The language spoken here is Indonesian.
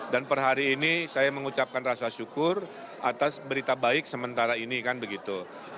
dan per hari ini saya mengucapkan rasa syukur atas berita baik sementara ini kan begitu